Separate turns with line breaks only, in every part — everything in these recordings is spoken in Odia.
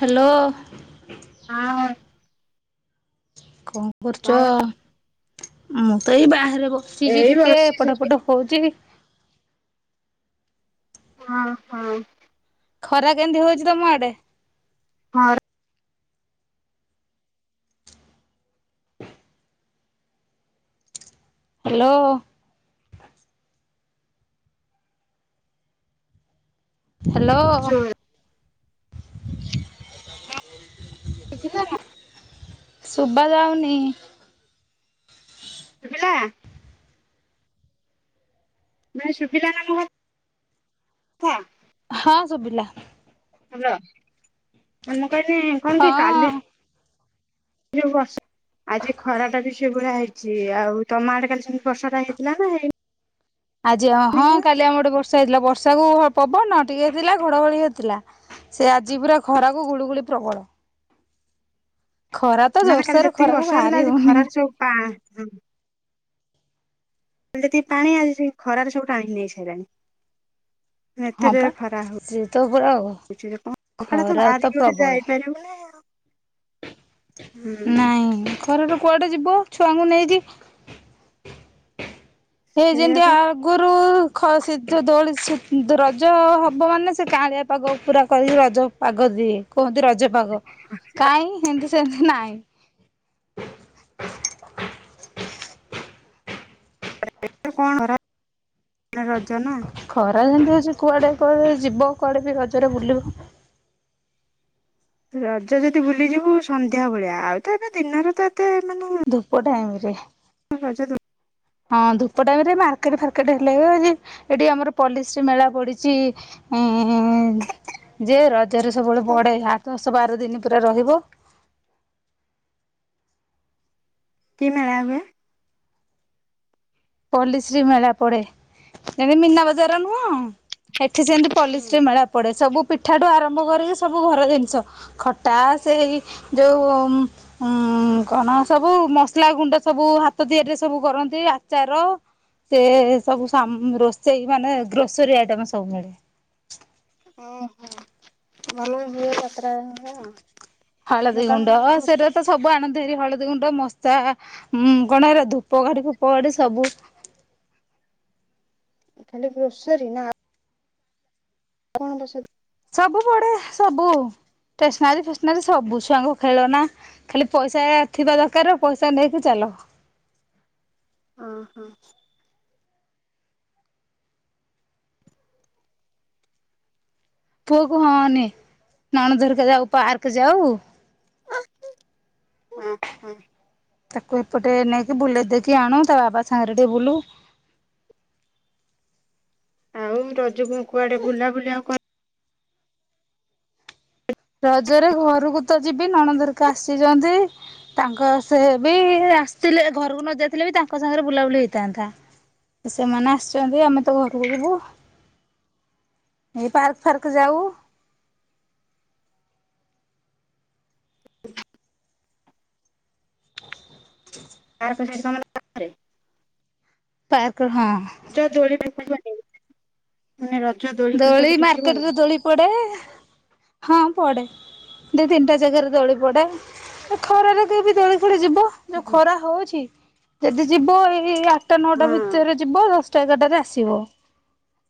ହ୍ୟାଲୋ।
ଆଁ ଓ
କଣ କରୁଛ?
କଣ
ମୁଁ ତ ଏଇ ବାହାରେ ବସିଛି
ଏଇ
ଟିକେ
ବସିଛି
ପଟ
ସେଠି
ପଟ। ହଉଛି।
ହଁ ହଁ
ଖରା କେମିତି ହଉଛି ତମ ଆଡେ?
ହଁ
ହ୍ୟାଲୋ। ହ୍ୟାଲୋ।
ଶୁଭିଲା ନା
ଶୁଭାଯାଉନି।
ଶୁଭିଲା। ନାଇଁ ଶୁଭିଲା ନାନୁହେଁ କଥା।
ହଁ ଶୁଭିଲା।
ହେଲା ମୁଁ କହିଲି କଣ କି କଲି
ହଁ
ଟିକେ ହ୍ୱାଟସପ ଆଜି ଖରା ଟା ବି ସେଭଳିଆ ହେଇଛି ଆଉ ତମ ଆଡେ କାଲି ସେମିତି ବଷା ଟା ହେଇଥିଲା ନା ହେଇନି।
ଆଜି ହଁ କାଲି ଆମର ଗୋଟେ ବର୍ଷା ହେଇଥିଲା ବର୍ଷାକୁ ପବନ ଟିକେ ହେଇଥିଲା ଘଡଘଡି ହେଇଥିଲା। ସେ ଆଜି ପୁରା ଖରାକୁ ଗୁଳୁଗୁଳି ପ୍ରବଳ। ଖରା ତ
ମାନେ କାଲି
ଜୋରସୋର
ଯେତିକି
ଖରାକୁ
ବର୍ଷା
ବାହାରି
ହେଇଥିଲା ଆଜି
ହଉନି
ଖରାରେ ସବୁ ପା। ଯେତିକି ପାଣି ଆଜି ଖରାରେ ସବୁ ଟାଣି ନେଇ ସାରିଲାଣି ଏତେ
ହଁ ପା।
ଜୋରରେ ଖରା
ସିଏ ତ ପୁରା
ହଉ। ମ
ଖରା ତ
ବାାର
ପ୍ରବଳ।
ଆପ
ନାଇଁ ଘରର କୁଆଡେ ଯିବ ଛୁଆଙ୍କୁ ନେଇକି ସେଇ
ସେଇଆ
ଯେମତି
ବା
ଆଉ ଆଗରୁ ଖ ସେ ଦୋଳି ରଜ ହବ ମାନେ ସେ କାଁଳିଆ ପାଗ ପୁରା କରିବ ରଜ ପାଗ ଦିଏ କୁହନ୍ତି ରଜ ପାଗ କାହିଁ ସେମତି ସେମିତି ନାଇଁ
କଣ ଖରା ଅଛ ନା [inaudible]
ଖରା ଯେମିତି ହଉଛି କୁଆଡ଼େ କୁଆଡେ ଯିବ କୁଆଡ଼େ ବି ରଜରେ ବୁଲିବ
ରଜ ଯଦି ବୁଲିଯିବୁ ସନ୍ଧ୍ୟା ବେଳିଆ ଆଉ ତ ଏବେ ଦିନରେ ତ ଏତେ ମାନେ
ଧୂପ ଟାଇମରେ
ହଁ [unintelligible]
ହଁ ଧୂପ ଟାଇମ ରେ ମାର୍କେଟ ଫାର୍କେଟ ହେଲା ଆ ଏଠି ଆମର ପଲିସ୍ରୀ ମେଳା ପଡିଛି ଉ ଯେ ରଜରେ ସବୁବେଳେ
ଦୋ
ପଡେ ଆ ଦଶ ବାର ଦିନ ପୁରା ରହିବ
କି ମେଳା ହୁଏ
ପଲିଶ୍ରୀମେଳା ପଡେ ଯେମିତି ମିନା ବଜାର ନୁହଁ ଏଠି ସେମତି
ହୁଁ
ପଲିଶ୍ରୀ ମେଳା ପଡ଼େ ସବୁ ପିଠାଠୁ ଆରମ୍ଭ କରିକି ସବୁ ଘର ଜିନିଷ ଖଟା ସେଇ ଯୋଉ ହୁଁ କଣ ସବୁ ମସଲା ଗୁଣ୍ଡ ସବୁ ହାତ ତିଆରିରେ ସବୁ କରନ୍ତି ଚାର ସେ ସବୁ ରୋଷେଇ ମାନେ ଗ୍ରୋସରୀ ଆଇଟମ ସବୁ ମିଳେ
ଓ ହୋ ମାନ ହାତ [inaudible]
ହଳଦି ଗୁଣ୍ଡ
ବସେ
ସେରା ତ ସ ସବୁ ଆଣନ୍ତି ହାରି ହଳଦୀ ଗୁଣ୍ଡ ମଶା ଉ କଣ ହେରା ଧୂପ କାଠି ଫୂପ କାଠି ସବୁ
ଖାଲି ଗ୍ରୋସରୀ ନା କପଣଙ୍କ ସତ [inaudible]
ସବୁ ପଡେ ସବୁ ଷ୍ଟେସନାରୀ ଫେସନାରୀ ସବୁ ଛୁଆଙ୍କ ଖେଳନା ଖାଲି ପଇସା ଥିବା ଦରକାର ପଇସା ନେଇକି ଚାଲ
ଓ ହୋ
ପୁଅ କ ହଁ ନିଏ ନଣନ୍ଦ ହେରିକା ଯାଉ ପାର୍କ ଯାଉ
ହଁ ହଁ [unintelligible]
ତାକୁ ଏପଟେ ନେଇକି ବୁଲେଇ ଦେଇକି ଆଣୁ ତା ବାବା ସାଙ୍ଗରେ ଟିକେ ବୁଲୁ
ଆଉ ରଜକୁ ଆଉ କୁଆଡେ ବୁଲା ବୁଲିି ଆଉ କ
ରଜରେ ଘରକୁ ତ ଯିବି ନଣନ୍ଦ ହେରିକା ଆସିଛନ୍ତି ତାଙ୍କ ସେ ବି ଆସିଥିଲେ ଘରକୁ ନ ଯାଇଥିଲେ ବି ତାଙ୍କ ସାଙ୍ଗରେ ବୁଲାବୁଲି ହୋଇଥାନ୍ତା ସେମାନେ ଆସିଛନ୍ତି ଆମେ ତ ଘରକୁ ଯିବୁ ଏଇ ପାର୍କ ଫାର୍କ ଯାଉ [unintelligible]
ପାର୍ଙ୍କ ସେଇଠି ତମର ପାଖରେ
ପାକ ହଁ
ରଜ ଦୋଳି ଦେଖିବନି ମାନେ ରଜ ଦୋଳି ଖେଳ ତେ କୋଉଠିକି ଯିବନି
ପଢେ ହଁ ପଢେ। ଦି ତିନିଟା ଜାଗାରେ ଦୋଳି ପଡେ ଏ ଖରାରେ କେ ବି ଦୋଳି ଖେଳି ଯିବ ଯୋଉ ଖରା ହଉଛି ଯଦି ଯିବ ଏଇ ଆଠଟା ନଅଟା
ହଁ
ଭିତରେ ଯିବ ଦଶ ତି ଚାରିଟା ରେ ଆସିବ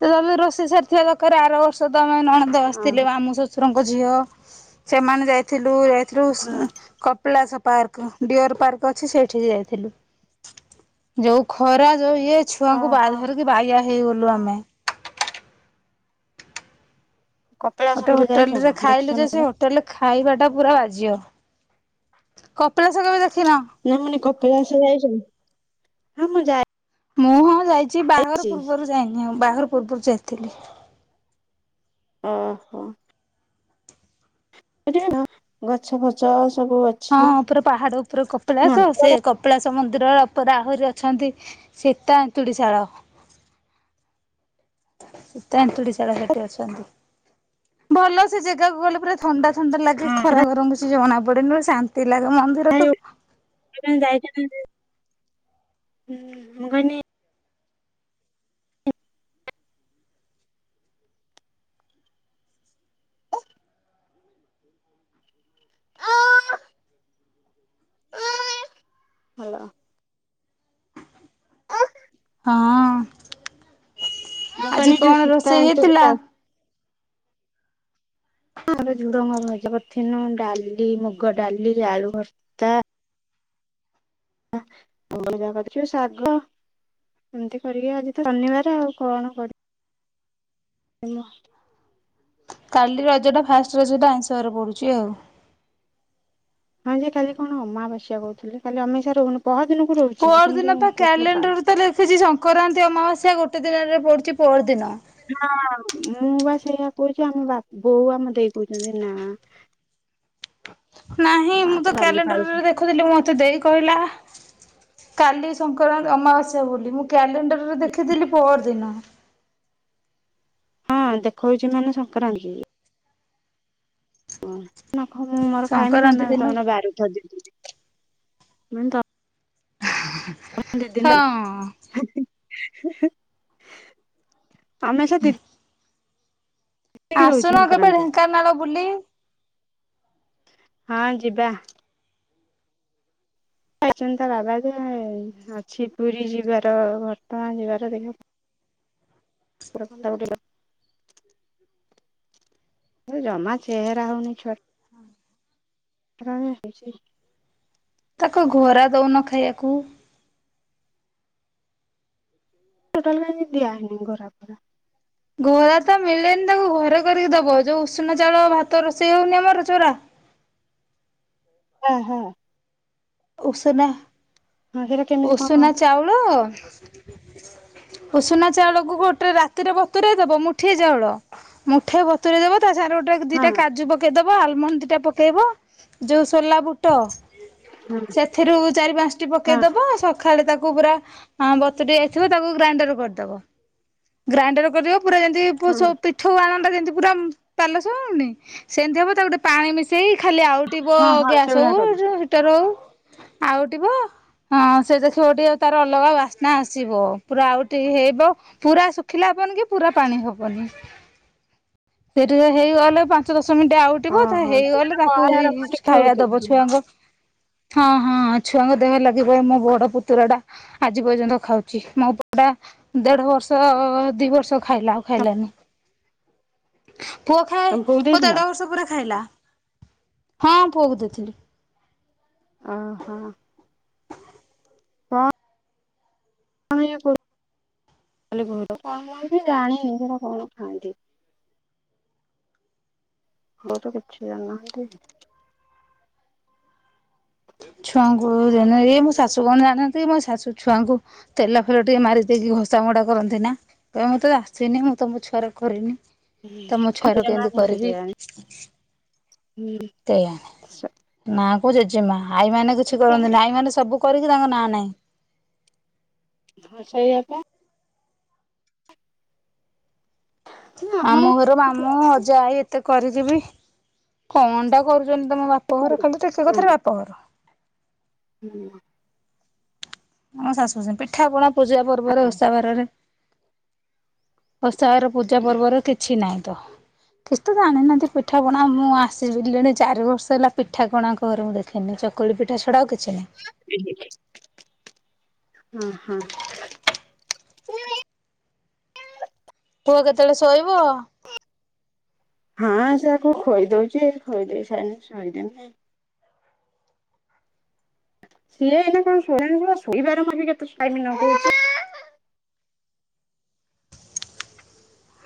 ତ ତମେ ରୋଷେଇ ସାରିଥିବା ଦକାରେ ଆର ବର୍ଷ ତମେ ନ ଦ
ଓହୋ
ଆସିଥିଲେ ମାମୁ ଶଶୁରଙ୍କ ଝିଅ ସେମାନେ ଯାଇଥିଲୁ ଯାଇଥିଲୁ
ହଁ।
କ କପିଳାସ ପାର୍କ ଡିଅର ପାର୍କ ଅଛି ସେଇଠିକି ଯାଇଥିଲୁ। ଯୋଉ ଖରା ଯୋଉ ଇଏ ଛୁଆଙ୍କୁ ବା
ଓହୋ
ଧରିକି ବାାଇଆ ହେଇଗଲୁ ଆମେ।
କପିଳାସ
ଗୋଟେ
କେବେ ଯାଇଛ
ହୋଟେଲ୍ ରେ
ନା ଦେଖିଛ
ଖାଇୁ ଯେ
ନା
ସେ
ସେଟା?
ହୋଟେଲ୍ ଖାଇବା ଟା ପୁରା ବାଜ୍ୟ କପିଳାସ କେବେ ଦେଖିନ
ନା ମାନେ କପିଳାସ ଯାଇଛକି ହଁ ମୁଁ ଯା
ମୁଁ ହଁ ଯାଇଛି ବାହାଘର ପୂର୍ବରୁ ଯାଇନି ଆଉ ବାହାଘର ପୂର୍ବରୁ ଯାଇଥିଲି।
ଓହୋ। ସେଠ ନା [inaudible] ଗଛ ଫଛ ସବୁ ଅ
ହଁ ପୁରା ପାହାଡ଼ ଉପରେ କପିଳାସ ସେ କପିଳାସ ମନ୍ଦିର ଉପରେ ଆହୁରି ଅଛନ୍ତି ସୀତା ଏନ୍ତୁଡ଼ିଶାଳ। ସିତା ଏନ୍ତୁଡ଼ିଶାଳ ସେଠି ଅଛନ୍ତି ଭଲ ସେ ଜାଗାକୁ ଗଲେ ପୁରା ଥଣ୍ଡା ଥଣ୍ଡା ଲାଗେ
ହଁ ସେଟା
ଖରା ଗରମ କିଛି ଜଣା ପଡେନି ବା ଶାନ୍ତି ଲାଗେ ମନ୍ଦିର ତ
ଣ ଯାଇଛ ନା କାନ [unintelligible] ଅ [unintelligible] ହ୍ୟାଲୋ।
ହଁ
ମୁଁ
ଆଜି
କହିଲି ଯୋଉ
କଣ
ସୀତା
ରୋଷେଇ
ଏନ୍ତୁଡି
ହେଇଥିଲା?
ଆମର ଝୁଡ଼ଙ୍ଗ ଭଜା କରିଥିନୁ ଡାଲି ମୁଗ ଡାଲି ଆଳୁ ଭ ଆ ଜାଗାଗଛ ଶାଗ [unintelligible] ଏମତି କରିକି ଆଜି ତ ଶନିବାର ଆଉ କଣ କରି ଧନ୍ୟବା [inaudible]
କାଲି ରଜ ଟା ଫାଷ୍ଟ ରଜଟା ଆଇଁଶିବାର ପଡୁଛି ଆଉ।
ହଁ ଯେ କାଲି କଣ ଅମାବାସ୍ୟା କହୁଥିଲେ କାଲି ଅମିଷା ରହୁନି ପହ ଦିନକୁ ରହୁଛି କିନ୍ତୁ କହୁଥିଲେ କା
ସେ ଲେଖିଛି ସଂକ୍ରାନ୍ତି ଅମାବସ୍ୟା ଗୋଟେ ଦିନରେ ପଡ଼ୁଚି ପର ଦିନ।
ହ ମୁଁ ବା ସେଇଆ କହୁଛି ଆମ ବା ବୋଉ ଆମ ଦେଇ କହୁଛନ୍ତି ନା।
ନାହିଁ
ଆ
ମୁଁ ତ
ଡାଲି ଫାଳୁ
କ୍ୟାଲେଣ୍ଡର ରେ ଦେଖୁଥିଲି ମତେ ଦେଇ କହିଲା କାଲି ସଙ୍କରାନ୍ତି ଅମାବାସ୍ୟା ବୋଲି ମୁଁ କ୍ୟାଲେଣ୍ଡର ରେ ଦେଖିଥିଲି ପଅର ଦିନ।
ହଁ ଦେଖଉଛି ମାନେ ସଂକ୍ରାନ୍ତି। ନଖ ମୁଁ ମୋର ଖାଇବି
ସଂକ୍ରାନ୍ତି
ତମେ
ଦିନ
ତମର ବାରୁଥା [inaudible] ଦି ଦିନ ମା ଦିଦିନ
ହଁ।
ଆମେ ସେ ଦି [inaudible] ଦିନ ରହୁଛି
ଆସୁନ କେବେ
ସଂକ୍ରାନ୍ତି।
ଢେଙ୍କାନାଳ ବୁଲି
ହଁ ଯିବା। କହିଛନ୍ତି ତା ବାବା ଯେ ଅଛି ପୁରୀ ଯିବାର ଘଟ ଗାଁ ଯିବାର ଦେଖିଆ। [unintelligible] ଜମା ଚେହେରା ହଉନି ଛୁଆ କଣ ହେଇଛି?
ତାକୁ ଘୋରା ଦଉନ ଖାଇଆକୁ
ଟୋଟଲ଼ କାଇଁ ଦିଆ ହେଇନି ଘୋରା ଫୋରା।
ଘୋରା ତ ମିଳେନି ତାକୁ ଘରେ କରିକି ଦବ ଯୋଉ ଉଷୁନା ଚାଉଳ ଭାତ ରୋଷେଇ ହଉନି ଆମର ଚୋରା
ହୁଁ ହୁଁ
ଉଷୁନା
ହଁ ସେଇଟା କେମିତି କଣ ହଁ
ଉଷୁନା ଚାଉଳ ଉସୁନା ଚାଉଳକୁ ଗୋଟେ ରାତିରେ ବତୁରଇ ଦବ ମୁଠେ ଚାଉଳ ମୁଠେ ବତୁରେଇ ଦେବା ତା ସାଙ୍ଗରେ ଗୋଟେ ଟା ଦିଟା
ହଁ
କାଜୁ ପକେଇଦବ ଆଲମଣ୍ଡ ଦିଟା ପକେଇବ ଯୋଉ ସୋଲା ବୁଟ ସେଥିରୁ ଚାରି ପାଞ୍ଚଟି
ହଁ ହଁ।
ପକେଇଦବ ସ ଖାଲେ ତାକୁ ପୁରା ବତୁରିଯାଇଥିବ ତାକୁ ଗ୍ରାଇଣ୍ଡର କରିଦବ ଗ୍ରାଇଣ୍ଡର କରିବ ପୁରା ଯେମିତି ପିଠାଉ ଆଣଟା ଯେମିତି ପୁରା ପାଲସ ହଉନି ସେମିତି ହବ ତାକୁ ଟିକେ ପାଣି ମିଶେଇ ଖାଲି ଆଉ ଟିବ
ହଁ ହଁ
ଗ୍ୟାସ୍
ସେଇଭଳିଆ କରିବି
ହଉ ହିଟର ହଉ ଆଉ ଟିବ ହଁ ସେ ଦେଖିବ ଟିକେ ଆଉ ତାର ଅଲଗା ବାସ୍ନା ଆସିବ ପୁରା ଆଉଟେଇ ହେବ ପୁରା ଶୁଖିଲା ହବନି କି ପୁରା ପାଣି ହବନି ସେଠି ହେଇଗଲେ ପାଞ୍ଚ ଦଶ ମିନିଟ ଆଉଟିବ ତା
ଓହୋ
ହେଇଗଲେ ତାକୁ ହେଇ ଖାଇବା ଦବ ଛୁଆଙ୍କ ହଁ ହଁ ଛୁଆଙ୍କ ଦେହ ଲାଗିବ ମୋ ବଡ ପୁତୁରା ଟା ଆଜି ପର୍ଯ୍ୟନ୍ତ ଖାଉଛି ମୋ ପୁଅ ଟା ଦେଢ ବର୍ଷ ଦି ବର୍ଷ ଖାଇଲା ଆଉ ଖାଇଲାନି ପୁଅ ଖାଏ
ତମ ବୋଉ
ପୁଅ
ଦେଇଥିଲ
ଦେଢ ବର୍ଷ ପରେ ଖାଇଲା ହଁ ପୁଅକୁ ଦେଇଥିଲି
ଓହୋ [unintelligible] କାଲି ଘର କଣ କୁହନ୍ତି ଜାଣ ନିଜଟା କଣ ଖାଆନ୍ତି [inaudible] ବୋଉ ତ କିଛି ଜାଣିନାହାନ୍ତି
ଛୁଆଙ୍କୁ ଜଣେ ଏଇ ମୋ ଶାଶୁ କଣ ଜାଣନ୍ତି ମୋ ଶାଶୁ ଛୁଆଙ୍କୁ ତେଲା ଫେଲ ଟିକେ ମାରି ଦେଇକି ଘସାମୋଡା କରନ୍ତି ନା କହିବେ ମୋତେ ତ ଆସେନି ମୁଁ ତ ମୋ ଛୁଆର କରିନି ତମ ଛୁଆର କେମିତି
କୁହନ୍ତି
କରିବି
କେଜାଣି।
କେଇଆଣେ ନା କୁ ଜେଜେମା ଆଈ ମାନେ କିଛି
ହୁଁ
କରନ୍ତିନି ଆଇ ମାନେ ସବୁ କରିକି ତାଙ୍କ ନାଁ ନାହିଁ।
ସେଇଆ ପା ଆମର
ମାମୁ ଘରୁ
ହେଲା
ମାମୁଁ ଅଜା ଆଈ ଏତେ କରିକିବି କଣ ଟା କରୁଛନ୍ତି ତମ ବାପଘର ଖାଲି ଟିକେ କଥାରେ ବାପଘର।
ହୁଁ
ଆମ ଶାଶୁୁ ସେଇ ପିଠା ପଣା ପୂଜା ପର୍ବରେ ଓଷା ବାରରେ ଓଷାବାର ପୂଜା ପର୍ବରେ କିଛି ନାହିଁ ତ କିଛି ତ ଜାଣିନାହାନ୍ତି ପିଠାପଣା ମୁଁ ଆସିିଲିଣି ଚାରି ବର୍ଷ ହେଲା ପିଠା କଣ ଆଙ୍କ ଘରେ ମୁଁ ଦେଖି ଚକୁଳି ପିଠା ଛଡା ଆଉ କିଛି ନାହିଁ।
ହଁ ହଁ
ପୁଅ କେତେବେଳେ ଶୋଇବ
ହଁ ସେ ଆକୁ ଖୋଇଦଉଛି ଖୋଇ ଦେଇ ସାଇନେ ଶୋଇଦେବି। ସିଏ ହେଇନା କଣ ଶୋଇବ ଶୋଇବାରେ ମଧ୍ୟ କେତେ ଟାଇମ ନେଉଛି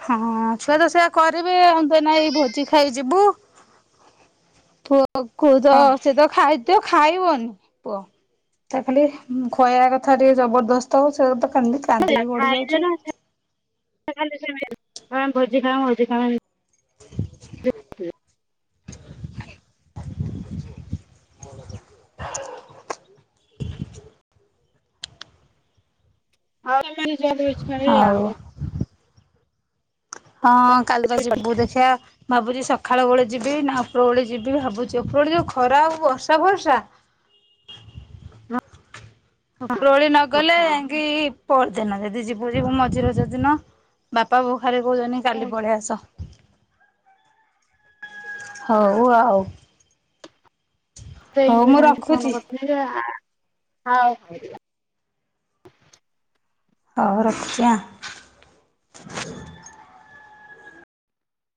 ହଁ ଛୁଆ ତ ସେଆ କରିବେ ଆମେ ତ ଏଇନା ଭୋଜି ଖାଇ ଯିବୁ। ପୁଅ କୁ ତ ସେ ତ ଖାଇଦିଅ ଖାଇବନି ପୁଅ। ତା ଖାଲି ଖୁଆଇବା କଥା ଟିକେ ଜବରଦସ୍ତ ସେ ତ କାନ୍ଦି କାନ୍ଦିକି ଗଡି
ଖାଇ
ଯାଉଛି
[inaudible] ଭୋଜି ଖାଉ ଭୋଜି ଖାଉ [inaudible] [inaudible] ଆଉ
ହଁ କାଲି ତ ଯିବୁ ଦେଖିବା ଭାବୁଛିି ସକାଳ ବେଳେ ଯିବି ନା ଉପର ବଳେ ଯିବି ଭାବୁଛି ଉପରବେଳେ ଯୋଉ ଖରା ଆଉ ବର୍ଷା ବର୍ଷା
ହଁ
ଉପର ଓଳି ନଗଲେ
ହଁ
ଯାଇକି ପହରଦିନ ଯଦି ଯିବୁ ଯିବୁ ମଝିରେ ଯଦିନ ବାପା ବୋଉ ଖାଲି କହୁଛନି କାଲି ପଳେଇ ଆସ। ହଉ ଆଉ। ହଉ ମୁଁ ରଖୁଛି।
ହଉ।
ହଉ ରଖୁଛି ଆଉ।